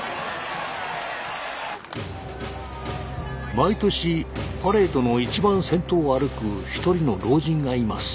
毎年パレードの一番先頭を歩く一人の老人がいます。